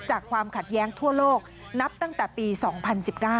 ความขัดแย้งทั่วโลกนับตั้งแต่ปี๒๐๑๙